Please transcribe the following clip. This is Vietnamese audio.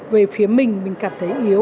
về phía mình mình cảm thấy yếu